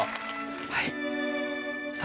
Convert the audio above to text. はい。